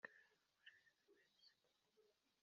mundeke niririre ayo kwarika, ntimwirushye mumpoza,